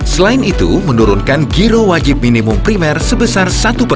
selain itu menurunkan giro wajib minimum primer sebesar